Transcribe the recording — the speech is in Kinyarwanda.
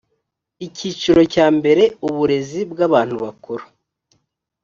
icyiciro cyambere uburezi bw abantu bakuru